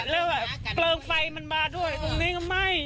แล้วอ่ะเกลืองไฟมันมาด้วยตรงนี้เอ้าไหม